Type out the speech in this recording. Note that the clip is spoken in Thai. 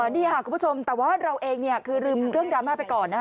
นี่ค่ะคุณผู้ชมแต่ว่าเราเองคือลืมเรื่องดราม่าไปก่อนนะฮะ